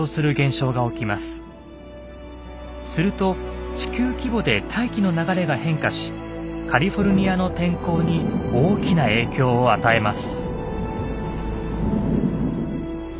すると地球規模で大気の流れが変化しカリフォルニアの天候に大きな影響を与えます。